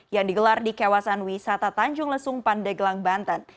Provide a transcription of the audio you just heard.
yang digelar di kawasan wisata tanjung lesung pandeglang banten